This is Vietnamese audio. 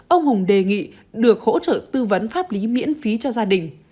ông hùng đề nghị được hỗ trợ tư vấn pháp lý miễn phí cho gia đình